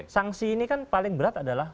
sanksi ini kan paling berat adalah